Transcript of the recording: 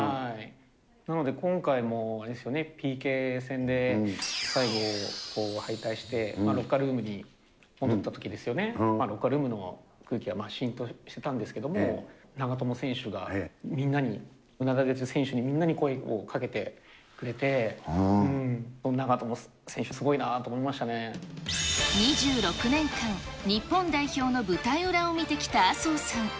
なので、今回もあれですよね、ＰＫ戦で最後敗退して、ロッカールームに戻ったときですよね、ロッカールームの空気はシーンとしてたんですけれども、長友選手が、みんなに、うなだれる選手みんなに声をかけてくれて、長友選２６年間、日本代表の舞台裏を見てきた麻生さん。